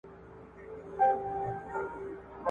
لوى ئې پر کور کوي، کوچنی ئې پر بېبان.